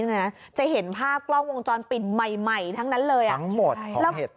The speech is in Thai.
นะจะเห็นภาพกล้องวงจรปิดใหม่ทั้งนั้นเลยอ่ะทั้งหมดแล้ว